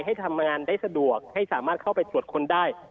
ให้ทำงานได้สะดวกให้สามารถเข้าไปตรวจค้นได้